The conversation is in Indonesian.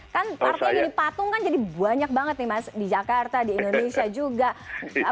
kan artinya jadi patung kan jadi banyak banget nih mas di jakarta di indonesia juga